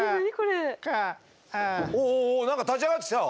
おおお何か立ち上がってきた。